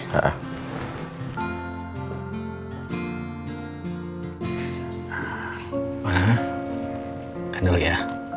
kan dulu ya